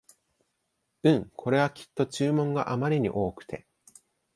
うん、これはきっと注文があまり多くて